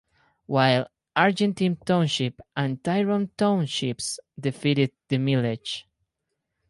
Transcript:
While Argentine Township and Tyrone Townships defeated the millage.